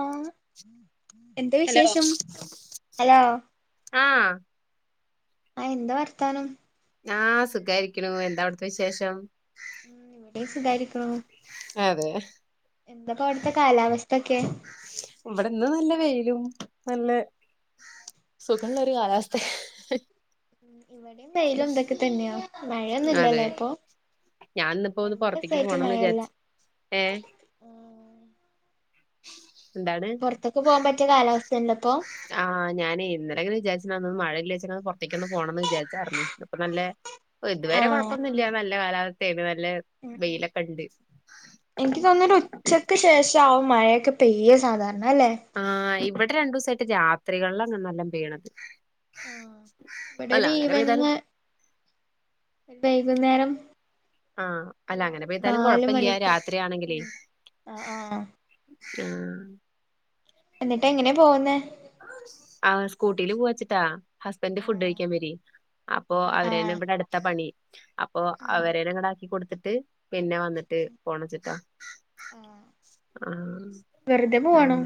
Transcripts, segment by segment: ആ എന്താ ഹലോ വിശേഷം ഹലോ ആഹ് ആ എന്താ വർത്താനം ആഹ് സുഖായിരിക്ണു എന്താ അവിടുത്തെ വിശേഷം ഉം ഇവിടെ സുഖായിരിക്ണു അതെ എന്തൊക്ക അവിടുത്തെ കാലാവസ് ത്തക്കെ ഇവിടെന്ന് നല്ല വെയിലും നല്ല സുഖള്ള ഒരു കാലാവസ്ഥ ഉം ഇവിടെയും വെയിൽ ഇതൊക്കെ തന്നെയാ അതെ മഴയൊന്നുംല്ലല്ലേ ഇപ്പൊ ഞാൻ ഇന്നിപ്പോ ഒന്ന് രണ്ടു പുറത്തേക്ക് ദിവസായിട്ട് പോണന്ന് മഴയില്ല വിചാരിച് ഏ എന്താണ് പുറത്തൊക്കെ പോകാൻ പറ്റിയ കാലാവസ്ഥയുണ്ടോ ഇപ്പൊ ആ ഞാന് ഇന്നലങ്ങെനെ വിചാരിച്ചന്നന്ന് മഴ ല്ല്യാഴ്ച ങ്ങനെ പുറത്തേക്കൊന്ന് പോണം എ വിചാരിച്ചായിരുന്നു അപ്പൊ നല്ല ഇതുവരെ ആഹ് കുഴപ്പൊന്നുല്ല നല് ന്ന കാലാവസ്ഥേ [unintelligible] ല്ല ഉം ഉം വെയിലൊക്കെ ഉണ്ട് എനിക്ക് ക്കെ പെയ്യ സധാ ആഹ് ഇവ എ രണ്ടുസായിട്ട് രാത്രി കൾലാ നല്ലം പെയ്യുന്നത് ആ ഇവിടെരു ഈവനിങ് വൈകുന്നേരം ആ അല്ല ഒരു അങ്ങനെ പെയ്താലും നാല് കൊഴപ്പല്ല മണിക്ക് രാത്രിയാണെങ്കിലെ ഉം ആഹ് ആഹ് ആ എന്നിട്ട് എങ്ങനെ പോവുന്നെ ആ സ്കൂട്ടിയില് പോവച്ട്ട ഹസ്ബന്റ് ഫുഡ് ആഹ് കഴിക്കാൻ വര് അപ്പൊ ആഹ് ആഹ് അവരെന്നെ ഇബ്ടെ അട്ത്ത പണി അപ്പൊ ഉം അവരെന്നെ ഇങ്ങട്ട് ആക്കി കൊട്ത്ത് ട്ട് പിന്നെ വന്നിട്ട് പോണെച്ച്ട്ട ആഹ് വെറുതെ പോവാണോ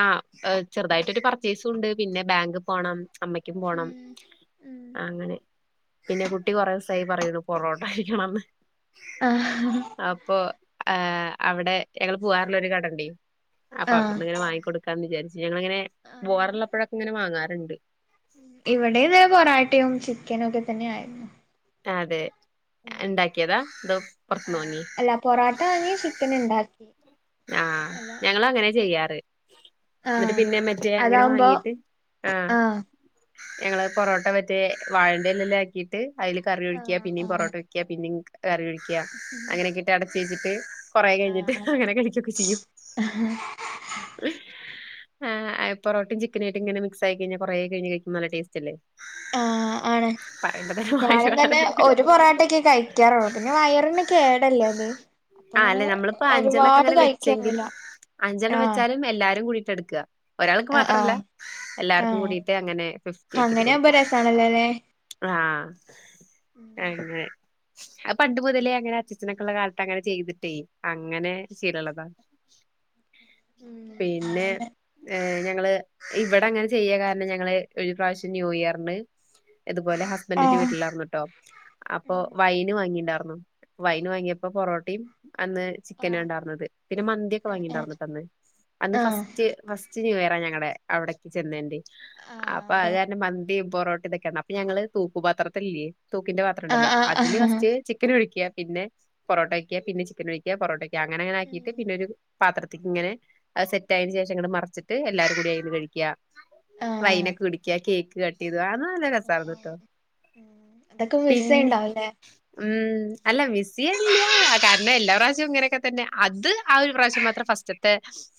ആ അ ആ അ ചെർതായിട്ടൊരു പർച്ചേസു ഉണ്ട് പിന്നെ ബാങ്ക് പോണം അമ്മയ്ക്കും പോണം ഉം ഉം അങ്ങനെ പിന്നെ കുട്ടി കൊറേസായി പറയുന്നു പൊറോട്ട കഴിക്കണെന്ന് ആ ആ അവിടെ ഞങ്ങള് പോവാറ്ള്ളെര് കട ഇണ്ട് അപ്പൊ ആഹ് അവിട്‌ന്ന്ങ്ങനെ വാങ്ങിക്കൊട് ക്കാന്ന് വിചാരി നങ്ങളിങ്ങനെ ബോറ്ള്ളപ്പയൊക്കെ ഇങ്ങനെ വാങ്ങാ രണ്ട് ഇവിടെന്ന് പൊറോട്ടയും ചിക്കനു ഒക്കെ തന്നെ ആയിര്ന്നു അതെ ഇണ്ടാക്കിയതാ അതോ പൊറത്തിന്ന് ആഹ് വാങ്ങി അല്ല പൊറോട്ട വാങ്ങി ചിക്കൻ ഇണ്ടാക്കി ആ അല്ല ഞങ്ങള് അങ്ങനെ ചെയ്യ യ്യാറ് ന്നിട്ട് ആഹ് പിന്നെ മറ്റേ അങ്ങനെ അതാവുമ്പോ വാങ്ങീട്ട് ആ ആഹ് ഞങ്ങള് പൊറോട്ട മറ്റെ വാഴന്റെ എലലാക്കിയിട്ട് അയില് കറി ഒഴിക്ക് ആഹ് പിന്നെം ആഹ് പൊറോട്ട വെക്ക് പിന്നെം ക് കറി ഒഴിക്ക് അങ്ങനെക്കിട്ട് അട ചേച്ച്ട്ട് കൊറെ ആഹ് കഴിഞ്ഞിട്ട് ആഹ് അങ്ങനെ കഴി ക്കെ ചെയ്യും ആ അയ് പൊറേട്ടെ ചിക്കന് ആയിട്ട് ഇങ്ങനെ മിക്സ് ആയി കഴിഞ്ഞ കൊറേ കഴിഞ്ഞ് കഴിക്കുമ്പ നല്ല ടേസ്റ്റ് അല്ലെ ആ ആണ് വായില് ഞാന് തന്നെ വെള്ളം ഒരു പൊറോട്ടെക്കെ കഴിക്കാറോ പിന്നെ വയറിന് കേടല്ലെ അത് അപ്പൊ ങ്ങനെ ഒരുപാ അങ്ങന വെച്ചെങ്കിൽ അഞ്ചെണ്ണം വെച്ചാലും എല്ലാരും കൂടി എടുക്കുക ഒരാൾക്ക് ആഹ് മാത്രല്ല ആഹ് എല്ലാർക്കും ആഹ് കൂടിട്ട് അങ്ങനെ ഫിഫ് കേക്കിട്ട് അങ്ങനെയാവുമ്പോ കൊടുക്കും രസാണല്ലോല്ലേ ആഹ അങ്ങനെ പണ്ട് മുതലേ അങ്ങനെ അച്ചച്ചനൊക്കെ ഉള്ള കാലത്ത് അങ്ങനെ ചെയ്തിട്ടേ അങ്ങനെ ശീരളതാ പിന്നെ ഇവിടെ അങ്ങനെ ചെയ്യ കാരണം ഞങ്ങള് ഒരു പ്രാവശ്യം ന്യൂ ഇയറിന് ഇതുപോലെ ഹസ്ബന്ഡറിന്റെ ആഹ് വീട്ടില് ആയിരുന്നൂട്ടോ അപ്പോ വൈന് വാങ്ങിണ്ടായരുന്നു വൈന് വാങ്ങിയപ്പോ പൊറോട്ടയും- അന്ന് ചിക്കന ആഹ് ഉണ്ടാവ പിന്നെ മന്തിയൊക്കെ ആഹ് വാങ്ങിണ്ടന്നട്ടന്ന് അന്ന് ആഹ് ഫസ്റ്റ് ന്യൂ ഇയറാ ഞങ്ങളടെ അവിടേക്ക് ചെന്നേറെ അപ്പൊ ആഹ് അതാണ് മന്തി- പൊറോട്ട യൊക്കെണ് അപ്പൊ ഞങ്ങള് തൂുപാത്രത്തില്ലേ തൂക്കിന്റെ പാത്രംണ്ടല്ലോ ആഹ് അതില് ഫസ്റ്റ് ചിക്കൻ ഒഴിക്കുക പിന്നെ പൊറോട്ട വക്കുക പിന്നെ ചിക്കൻ വക്കുക പൊറോട്ട ആ അങ്ങനെ അങ്ങനൊക്കീയിട്ട് പിന്നെരു- പാത്രത്തിേക്ക് ഇങ്ങനെ സെറ്റ ആയതിനന് ശേഷം ഇങ്ങടെ മറച്ചിട്ട് എല്ലാരും കൂടി കഴിക്ക ആഹ് ആഹ് വൈനൊക്കെ കുടിക്ക കേക്ക് കട്ട [unintelligible] അതൊക്കെ പിന്നെ മിസ്സണ്ടാവല്ലേ ഉം അല്ല മിസ്സ ചെയണില്ല കാരണം എല്ലാ പ്രാവശ്യം ഇങ്ങനെയൊക്കെ തന്നെ അത് ആ ഒരു പ്രാവശ്യം മാത്രം ഫസ്റ്റത്തെ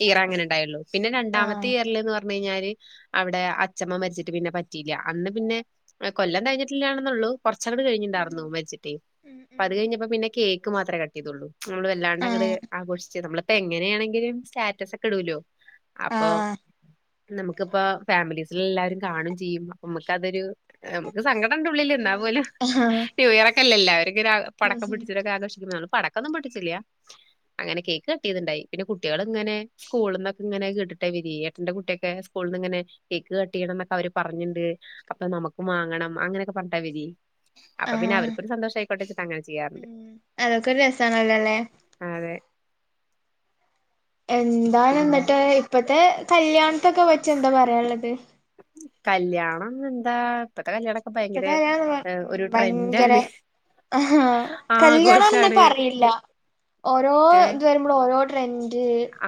ഈറ അങ്ങനെ ഉണ്ടായുള്ളൂ പിന്നെ രണ്ടാമത് ആഹ് കേരള എന്ന് പറ പറഞ്ഞ കഴിഞ്ഞാല് അവിടെ അച്ഛമ്മ മരിച്ചിട്ട് പിന്നെ പറ്റിയില്ല അന്ന് പിന്നെ കൊല്ലം കഴിഞ്ഞിട്ടില്ലാണെന്നള്ളു കുറച്ചൂടി കഴിഞ്ഞിുണ്ടായിരുന്നുു വരിച്ചിട്ട് അപ്പ അത് കഴിഞ്ഞപ്പോ പിന്നെ കേക്ക് മാമേ കട്ടിയതുള്ളൂൾ വല്ല ആഹ് ആഘോഷിച്ച് നമ്മളിപ്പോ എങ്ങനെയാണെങ്കിലും സ്റ്റാറ്റസ് ഒക്കെ ഇടുൂലോ അപ്പൊ ആഹ് നമുക്കിപ്പ ഫാമിലീസിൽ എല്ലാരും കാണും ചെയ്യും അപ്പൊ നമുക്ക അതൊരു നമുക്ക് സങ്കടം ഉണ്ട ഉള്ളേ എന്നാപ പോലും ആഹ് ന്യൂ ഇയർ ഒക്കെല്ലാവരൊക്കെ പടക്കം പിടിച്ചിരൊക്കെ ആഘോഷിക്കുന്നതാണ് പടക്കൊന്നും പഠിച്ചില്ലേ അങ്ങനെ കേക്ക് കട്ടിയത്ണ്ടായി പിന്നെ കുട്ടികൾ ഇങ്ങനെ സ്കൂളിൽ നിന്നൊക്കെ ഇങ്ങനെ കട്ടിട്ടെ വിധി എഏട്ടന്റെ കുട്ടിയൊക്കെ സ്കൂളിൽ നിന്ന് ഇങ്ങനെ കേക്ക് കട്ടിയണം എന്നൊക്കെ അവര് പറഞ്ഞിുണ്ട് അപ്പൊ നമുക്ക് വാങ്ങണം അങ്ങനെയൊക്കെ പറഞ്ഞിട്ട വിധി ആഹ അങ്ങനെ ഉ ചെയ്യാറുണ്ട്. അതൊക്കെരു രസണല്ലോല്ലേ അതെ എന്താാണ് പിന്നെ എന്നിട്ട് ഇപ്പത്തെ കല്യാണം ഇതൊക്കെ വെച്ചെന്താ പറയാനുള്ളത് കല്യാണം എന്താ ഇപ്പത്തെ കല്യാണൊക്കെ ഭയങ്കര ഇപ്പത്തെ കല്യാണന്നെ ഏഹ്, ഒരു ഭയങ്കര ട്രെൻഡാണ് കല്യാണാണന്ന് ആഘോഷാണ് പറയില്ല ഓരോ ഏ ഇത് വരുമ്പോൾ ഓരോ ട്രെ ൻ്റ്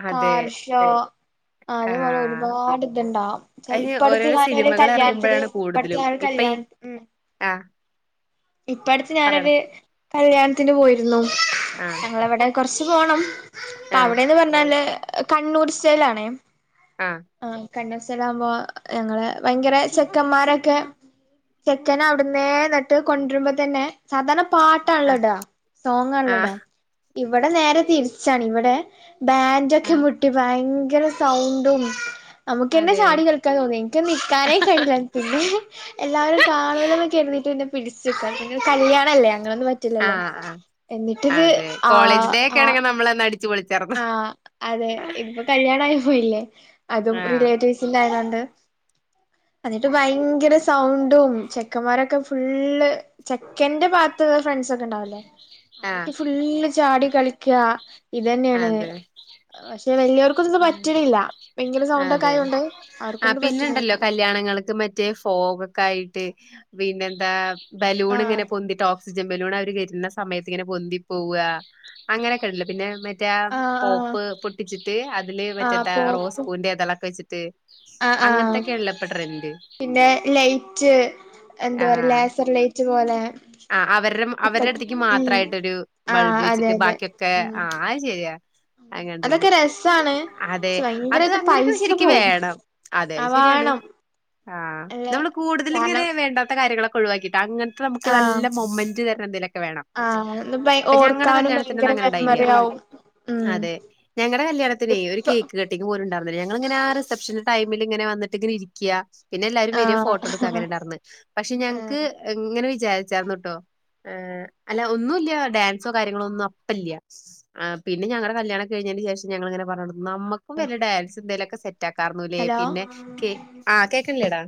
അതെ കാറ്ഷോ ആ അതുപോലെ ഒരുപാട് ഇത്ണ്ടാവും ചെല് അതിന് ഇപ്പട്ത്ത് ഓരോരോ ഞാനൊരു സിനിമകൾ കല്യാണത്തിന് ഇറങ്ങുമ്പോഴാണ് ഇപ്പട്ത്ത് ഞാ ലാന്ത്ത് ഉം ആഹ് ഇപ്പടുത്ത് ഞാനൊരു കല്യാണത്തിന് പോയി ന്നു ആ ഞങ്ങളെവടെ കൊറച്ച് പോണം പ്പ ആ അവിടെന്ന് പറഞ്ഞാല് കണ്ണൂർ സ്റ്റൈലാണേ ആഹ് കണ്ണൂര് സ്റ്റൈലാവുമ്പൊ ഞങ്ങളെ ഭയങ്കര ചെക്കന്മാരൊക്കെ ചെക്കനാ അവിടുന്നേന്ന്ട്ട് കൊണ്ടരുമ്പോ തന്നെ സാധാരണ പാട്ടാണ്ല്ലോ ആഹ് ഇടാ സോങാണ്ല്ലോ ആഹ് ഇടാ ഇവിടെ നേരെ തിരിച്ചാണ് ഇവിടെ ബാൻ്റൊക്കെ ആഹ് മുട്ടി ഭയ ങ്കര സൗണ്ടും നമുക്കന്നെ അതെ ചാടി കളിക്കാൻ തോന്നി എനിക്ക് നിക്കാനേ കഴിയില്ലായിരുന്നു പിന്നെ എല്ലാവരും കാണൊല്ലൊ [unintelligible] പിടി ച്ച് [unintelligible] കല്യാണല്ലേ അങ്ങനൊന്നും പറ്റില്ലല്ലോ ആഹ് ആഹ് എന്നിട്ടിത് അതെ ആ കോളേജ് ഡേ ഒക്കെ ആ ആണെങ്കിൽ നമ്മളന്ന് അടിച്ചു പൊളിച്ചാർന്നു ആഹ് അതെ ഇതിപ്പോ കല്യാണായി പോയില്ലേ അതും ആഹ് റിലേറ്റീവ്സിൻ്റെ ആയതോണ്ട് എന്നിട്ട് ഭയങ്കര സൗണ്ടും ചെക്കന്മാരൊക്കെ ഫുള്ള് ചെക്കന്റെ ഭാത്ത് ഫ്രണ്ട്സോക്കെ ഉണ്ടാവുല്ലേ അവരൊക്കെ ആഹ് ഫുള്ള് ചാടി കളിക്കാ അതെ വലിയവർക്കൊന്നും ഇത് ഉം പറ്റണില്ല ഭയങ്കര സൗണ്ടൊക്കെ അതെ ആയോണ്ട് ആ അവർക്കൊന്നും പറ്റണില്ല പിന്നെണ്ടല്ലോ കല്യാണങ്ങൾക്ക് മറ്റേ ഫോഗൊക്കായിട്ട് പിന്നെന്താ ആഹ് ബലൂണ്ങ്ങനെ പൊന്തീട്ട് ഓക്സി ജൻ ബലൂണ് അവരെ കേറ്റുന്ന സമയത്ത് ഇങ്ങനെ പൊന്തി പോവാ അങ്ങനെയൊക്കണ്ടല്ലൊ പിന്നെ മ റ്റാ ആഹ് ആഹ് പോപ്പ് പൊട്ടിച്ചിട്ട് അതില് ആഹ് മറ്റേതാ റോസ് പോപ്പും പൂവിന്റെ ഇതളൊക്കെ വെച്ചി തേ ആഹ് ആഹ് അങ്ങത്തെക്കേണ്ല്ലെ ഇപ്പ ട്രൻഡ് പിന്നെ ലൈറ്റ് ട്ട് ആഹ് ആ അവരും ഇപ്പ അവര്ടെ അട്ത്ത്ക്ക് ഉം മാത്രായിട്ടൊരു ആഹ് ബൾബ് അതെ വെച്ചിട്ട് അതെ ബാക്കിയൊക്കെ ഉം ആ അഹ് ശരിയാ അങ്ങനണ്ട് അതൊക്കെ രസാണ് അതെ പക്ഷെ അത് ഭയങ്കരായിട്ട് അങ്ങനെയക്കെ പൈസ ശരിക്കും പോവും വേണം അതെ ശരിയാണ് ആവാണം ആ അല്ല നമ്മള് കൂടുതൽ ഇങ്ങനെ കാരണം വേണ്ട കാര്യങ്ങളൊക്ക ഒഴിവാക്കിട്ട് അങ്ങ നമുക്ക് ആഹ് നല്ല മൊമന്റ് വ [unintelligible] വേണം ആഹ് ഭയ അപ്പ ഞങ്ങടെ ഓർക്കാനും കല്യാണതിന് ഭയങ്കര അങ്ങനെ ഉണ്ടായില്ല മെമ്മറി ആവും ഉം അതെ ഞങ്ങടെ കല്യാണതിനെ ഒരു ഇപ്പ കേക്ക് കട്ടിങ് പോലും ഇണ്ടാർന്നില്ല ഞങ്ങളിങ്ങനെ റിഷപ്‌ഷൻ ടൈം ഇങ്ങനെ വന്നിട്ട് ഇങ്ങനെ ഇരിക്ക പിന്നെല്ലാവരും വേര ആഹ് ഫോട്ടോ എടുക്ക അങ്ങന ഉണ്ടായിന്ന് പക്ഷെ ഞങ്ങക്ക് ആഹ് വിചാരിച്ചർന്നുട്ടോ ഏ അല്ല ഒന്നൂല്യ ഡാൻസൊ കാര്യങ്ങളോ ഒന്നും അപ്പല്യ ആ പിന്നെ ഞങ്ങടെ കല്യാണം കഴിഞ്ഞതിനു ശേഷം ഞങ്ങൾ അങ്ങനെ പറഞ്ഞ നമ്മൾക്കും വല്യ ഡാൻസ് എന്തേലും ഹലോ ആഹ്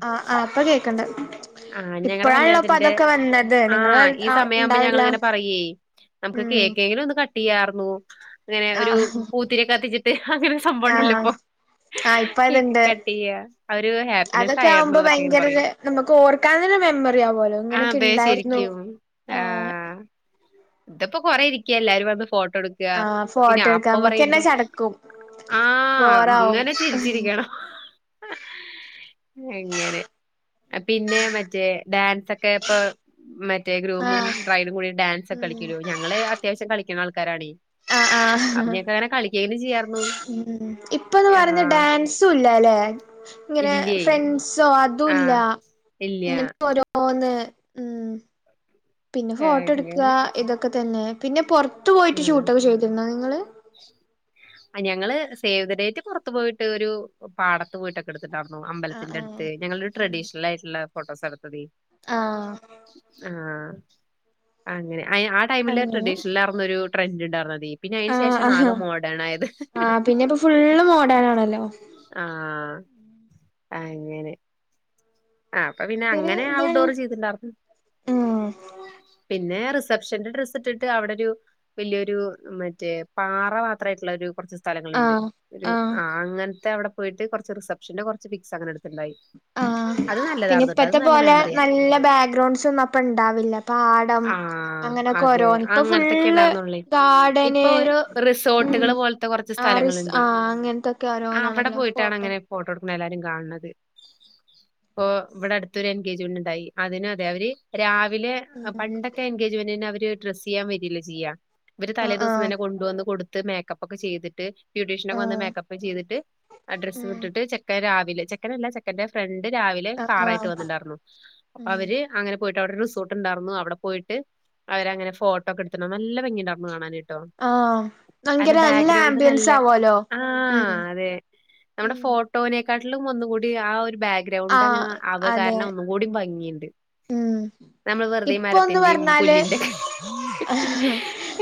ആ ആ ഇപ്പോ കേക്ക്ണ്ട് ആ ഞങ്ങടെ ഇപ്പഴാണല്ലോ ഇപ്പൊ കല്യാണത്തിന്റെ അതൊക്കെ വന്നത് നിങ്ങളെ ആാാ കാലത്ത് ഈ ആഹ് സമയം ആവുമ്പോൾ ഇണ്ടാവില്ല ഇങ്ങനെ പറയെ നമക്ക് ഉം കേക്കെങ്കിലും കട്ട്‌ ടിയാർന്നു ഇങ്ങനെ ഒരു ആഹ് പൂത്തിരി കത്തിച്ചിട്ട് അങ്ങനെ ഒരു സംഭവം ഇണ്ടല്ലോ ആഹ് ഇപ്പൊ ആഹ് ഇപ്പ കേക്ക് അത്ണ്ട് കട്ട്‌ ചെയ്യാ അത് ഒരു ഉം ഹാപ്പിനെസ്സ് ആയാർന്നു എന്ന് ഇങ്ങനെ പറയും ഓർക്കാനല്ലോ മെമ്മറി ആവോലോ ആ ഇങ്ങനെക്കോ അതെ ഇണ്ടാർന്നു ശരിക്കും ആ ഇപ്പോ കൊറേ ഇരിക്ക്യ എല്ലാവരും വന്ന് ഫോ എടുക്ക ആഹ് പിന്നെ ഫോട്ടോ എടുക്കാൻ അപ്പോ നമ്മുക്കന്നെ പറയുമ്പോ ചടക്കും ആ ബോറാവും ഇങ്ങനെ ചിരിച്ചിരിക്കണം ഇങ്ങനെ പിന്നെ മറ്റേ ഡാൻസ് ഒക്കെ പ്പോ മറ്റേ ഗ്രൂമും ആഹ് ബ്രഡും കൂടി ഡാൻസ് ഒക്കെ ഉം കളിക്കൂലോ ഞങ്ങള് അത്യാവശ്യം കളി [unintelligible] [unintelligible] കളിക്കേലും ചെയ്‌യായിരുന്നു മ് ഇപ്പൊന്ന് പറഞ്ഞ ഡാൻസും ഇല്ലാലേ ഇങ്ങനെ ഇല്ലേ ഫ്രണ്ട്സൊ ആ അതുല്യ ഇല്ല ഇപ്പോ ഓരോന്ന് മ് പിന്നെ അങ്ങനെ ഫോട്ടോട്ക്കാ ഇതൊക്കെ തന്നെ പിന്നെ പോർ ത്ത് പോയിട്ട് ആ ഷൂട്ടൊക്കെ ചെയ്തിരുന്നോ നിങ്ങള് ആ ഞങ്ങള് സേവിദ് ഡേറ്റെ പുറത്തു പോയിട്ട് ഒരു പാടത്ത് പോയിട്ടൊക്കെ എടു ആഹ് അമ്പലത്തിന്റെ ആഹ് അടുത്ത് ഞങ്ങളരു ട്രഡീഷണൽ ആയിട്ടുള്ള ഫോട്ടോസ് എടുത്തതി ആ അങ്ങനെ ആ ആ ടൈമിൽ അങ്ങനെ ട്രഡീഷണലാർന്നു രു ട്രെൻഡ് ഉണ്ടാരുന്നു പിന്നെ അയിന് ആഹ് ശേഷമാണ് ആകെ ആഹ് മോഡേൺ ആയത് ആഹ് പിന്നെ ഇപ്പോ ഫുള്ള് മോഡേൺ ആണല്ലോ ആ ആ അങ്ങനേ ആ അപ്പ പിന്നെ ഒക്കെരു അങ്ങനെ ഇതാണ് ഔട്ട്ഡോർ ചെയ്തിട്ട്ണ്ടാർന്ന് ഉം പിന്നെ റിസപ്ഷന്റെ ഡ്ര ടിട്ട് അവിടെ ഒരു വലിയൊരു മറ്റേ പാറ മാത്രമായിട്ടുള്ള ഒരു കൊറച് സ്ഥല സ്ഥലങ്ങളുണ്ട് ആഹ് ഒരു ആഹ് ആ അങ്ങന അവിടെ പോയിട്ട് കുറച്ചു റിസപ്ഷന്റെ കുറ പിക്സ്ങ്ങനെടുത്ത് ണ്ടായി ആഹ് പിന്നെ ഇപ്പത്തെ പോലെ നല്ല ബാക്ക്ഗ്രൗണ്ട്സ് ഒന്നും അപ്പൊ ഇണ്ടാവില്ല പാടം ആ അങ്ങനൊക്കെ അതെ ഓരോന്ന് ഇപ്പൊ അങ്ങനത്തൊക്കെ ഫുള് ഉണ്ടായിരുന്നുള്ളേ ഗാർഡന് ഇപ്പൊ ഓരോ റിസോർട്ടുകൾ ഉം പോലത്തെ കുറച്ച് ആറിസ് സ്ഥലങ്ങളുണ്ട് ആ അങ്ങനത്തൊക്കെ അവിടെ ഓരോന്നാണല്ലോ പോയിട്ടാണ് ഫോട്ടോ അങ്ങനെ എല്ലാരും കാണണത് ഇപ്പൊ ഇവിടെ അടുത്തൊരു എൻഗേജ്മെന്റ് ഉണ്ടായി അതിനും അതെ അവര് രാവ് വിലേ ഉം പണ്ടൊക്കെ എൻഗേജ്മെന്റി അവ ഡ്രസ്സ് ചെയ്യാൻ വരീല്ല ചെയ്യാ ഇവര് തലേ ആഹ് ആഹ് ദിവസംന്നെ കൊണ്ടുവന്ന് കൊടു മേക്കപ്പ്‌ ഒക്കെ ചെയ്തിട്ട് ബ്യൂട്ടീഷ്യനോക്കെ ഒന്ന് ആഹ് മേക്കപ്പ് ചെയ്തിട്ട് ഡ്രസ്സ് ഉം വിട്ടിട്ട് ചെക്ക രാവിലെ വില ചെക്കനല്ല ചെക്കൻന്റെ ഫ്രണ്ട് രാവിലെ ആഹ് കാറായിട്ട് ആഹ് വന്നിട്ട്ണ്ടാർന്നു അപ്പൊ ഉം അവര് അങ്ങനെ പോ വിടെ റിസോർട്ട് ഉണ്ടായിരുന്നു അവിടെ പോയിട്ട് അവര അങ്ങനെ ഫോട്ടോ ഒക്കെ എടുക്കണം നല്ല ഭംഗിണ്ടായിരുന്നു കാണാനായിട്ട് ട്ടോ ആഹ് ഭയങ്കര കാരണം നല്ല ബാഗ്രൗണ്ട് നല്ല ആംബിയൻസ് ആവോലോ ആ ഉം അതെ നമ്മുടെ ഫോട്ടോനെ കടലും ഒന്നും കൂടി ആ ഒരു ബാഗ ഗ്രൗണ്ട്ങ്ങനെ ആഹ് അവ് അതെ കാരണം ഒന്നും കൂടും ഭംഗിയണ്ട് ഉം ഇപ്പൊ ഒന്ന് മരത്തിന്റെയും പറഞ്ഞാല് പുല്ലിന്റെ ഒക്കെ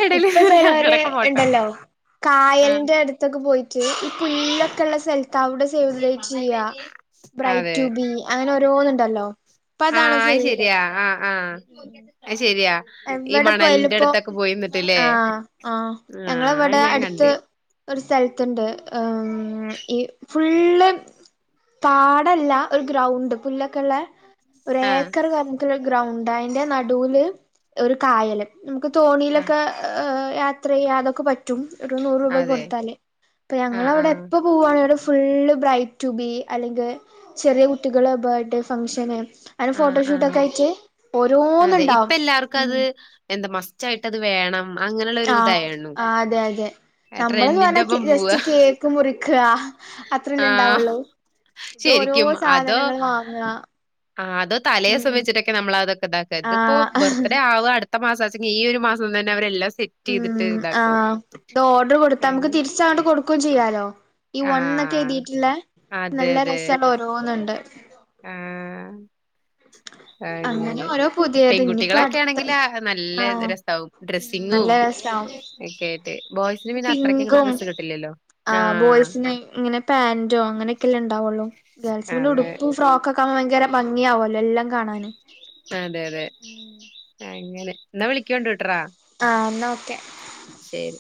എടേല് ഇപ്പൊ [unintelligible] ചിലവര് ഞങ്ങടെയൊക്കെ ഫോട്ടോ ഉണ്ടല്ലോ ആഹ് കായലിന്റെ അടുത്തൊക്കെ പോയി ട്ട് ഈ പുല്ലോക്കെ ഉള്ള സ്ഥല തവിടെ സേവ് ദി ഡേറ്റ് ചെയ്ക ബ്രൈഡ് അതെ റ്റു ബി അങ്ങനെ ഓരോന്നുണ്ടല്ലോ അപ്പൊ അതാണ് അ ഫുള്ള് ശരിയാ ആ ആ ഉം അത് ശരി [unintelligible] എവിടെ പോയലും ഇപ്പോ നിന്നിട്ട്ല്ലേ ആഹ് ആഹ് ആഹ് അത് ഞങ്ങളവിടെ ഞാൻ അടുത്ത് കണ്ട് ഒരു സ്ഥലത്തുണ്ട് ഉം ഉ ഈ ഫുള്ള് താടല്ല ഒരു ഗ്രൗണ്ട് പുല്ലക്കുള്ള ഒരു ആഹ് ഏക്കർ നമുക്ക് ഗ്രൗണ്ട് അയിന്റെ നടൂല് ഒരു കായലും നമുക്ക് ആഹ് തോണിയിലക്ക അ യാത്ര ചെയ്യാതൊക്കെ പറ്റും ഒരു നൂറ് രൂപയ്ക്ക് അതെ കൊടുത്താലേ അപ്പൊ ആഹ് ഞങ്ങളവിടെ ആഹ് എപ്പൊ പ്പോവാണേലും ഫുള്ള് ബ്രൈറ്റ് ടു ബി അല്ലെങ്കിൽ ചെറിയ കുട്ടികൾ ബേർത്ത്ഡേ ഫങ്ഷൻ അവിടെ ആഹ് ആഹ് ഫോട്ടോഷൂട്ടൊക്കെ ആയിട്ട് ഓരോന്ന് അതെ ഇപ്പ ഇണ്ടാവും എല്ലാർക്കും അത് എന്താ മസ്റ്റായിട്ടത് വേണം അങ്ങനെയുള്ള ഒരു ആഹ് ഇതായേണു അതെ അതെ നമ്മൾന്ന് ട്രെൻഡിന്റെ പറഞ്ഞാ ഒപ്പം പോവാ ജസ്റ്റ് കേക്ക് മുറിക്ക അത്രല്ലേ ആഹ് ഇണ്ടാവുള്ളൂ ഇത് ഓരോ ശെരിക്കും അതോ സാധനങ്ങൾ വാങ്ങ ആ അത് തലേദിവസം വച്ചിട്ടൊക്കെ നമ്മള തൊക്കെ ഉണ്ടാക്ക ഇത് ഇപ്പോ ആഹ് ബർത്ത്ഡേ ആവ അടുത്ത് അടുത്ത മാസാച് ഈ ഒരു മാസം തന്നെവരെല്ലാം ഉം ആഹ് ഇത് ഓർഡർ കൊടുത്താ നമുക്ക് അങ്ങ് തിരിച്ചോണ്ട് കൊടു ക്കും ചെയ്യാലോ ഈ ആ. വണ്ക്കെ എഴുതിയിട്ടിള്ളെ നല്ല രസല്ല ഓരോന്ന് ണ്ട് മ്മ് ആ അങ്ങനെ ഓരോ പുതിയത് ഇനിയിപ്പോ പെൺകുട്ടികളൊക്കെ അടുത്ത ആണെങ്കിൽ ആ നല്ല ആഹ് രസാവും ഉം നല്ല ഡ്രസ്സിങ്ങും രസാവും ഒക്കെ ബോയ്സിന് പിന്നെ അത്രക്കങ്ങട് പിങ്കും ഡ്രസ്സ് കിട്ടില്ലല്ലോ. ആ ബോയ്സിന് ഇങ്ങനെ പാന്റോ അങ്ങനെയൊക്കെല്ലേ ഇണ്ടാവുള്ളൂ ഗേൾസിന്റെ അതെ. ഉടുപ്പും ഫ്രോക്ക് കൊക്കെ ഭയങ്കര ഭംഗിയാവുല്ലോ എല്ലാം കാണാന് അതെ അതെ അങ്ങനെ ന്നാ വിളിക്കൊണ്ടു ട്ട്രാ ആഹ് എന്നാ ഓക്കെ ശെരി